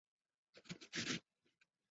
那天恰巧是法国国庆日。